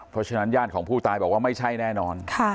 เพราะฉะนั้นญาติของผู้ตายบอกว่าไม่ใช่แน่นอน